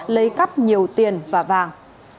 lấy cắp nhiều tiền và vàng